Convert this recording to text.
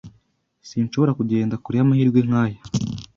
Sinshobora kugenda kure y'amahirwe nkaya.